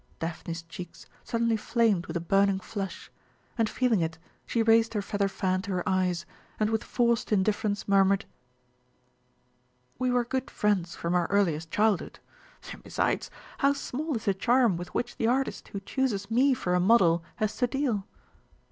Daphne's cheeks suddenly flamed with a burning flush, and feeling it she raised her feather fan to her eyes, and with forced indifference murmured: "We were good friends from our earliest childhood. And, besides, how small is the charm with which the artist who chooses me for a model has to deal!"